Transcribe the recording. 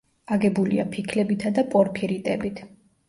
აგებულია ფიქლებითა და პორფირიტებით.